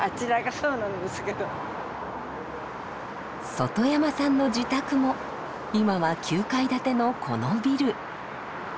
外山さんの自宅も今は９階建てのこのビル。